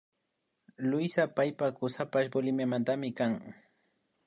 Luisa paypak kusapash Boliviamantami kan